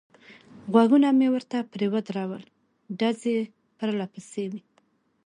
غوږونه مې ورته پرې ودرول، ډزې پرله پسې وې.